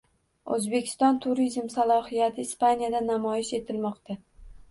O‘zbekiston turizm salohiyati Ispaniyada namoyish etilmoqda